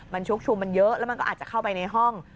มันชุกชุมมันเยอะแล้วมันก็อาจจะเข้าไปในห้อง